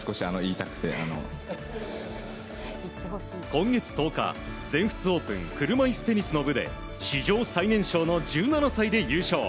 今月１０日全仏オープン車いすテニスの部で史上最年少の１７歳で優勝。